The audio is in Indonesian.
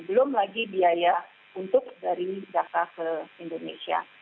belum lagi biaya untuk dari data ke indonesia